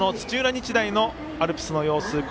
日大のアルプスの様子